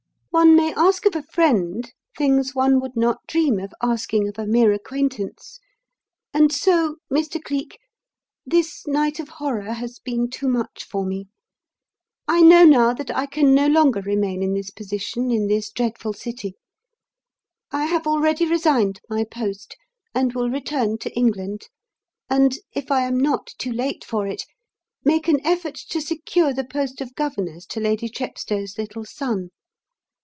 "One may ask of a friend things one would not dream of asking of a mere acquaintance, and so Mr. Cleek, this night of horror has been too much for me. I know now that I can no longer remain in this position in this dreadful city. I have already resigned my post, and will return to England, and if I am not too late for it make an effort to secure the post of governess to Lady Chepstow's little son.